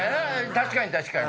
確かに確かに。